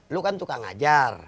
lu kan tukang ngajar